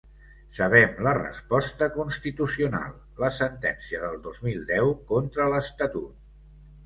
Sabem la resposta constitucional: la sentència del dos mil deu contra l’estatut.